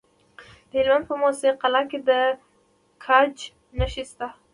د هلمند په موسی قلعه کې د ګچ نښې شته.